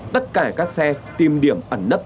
tất cả các xe tìm điểm